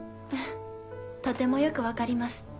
とてもよく分かります。